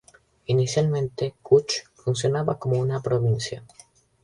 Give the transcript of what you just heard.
Inicialmente Kutch funcionaba como una provincia.